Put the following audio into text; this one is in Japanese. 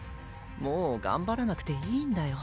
もうがんばらなくていいんだよ？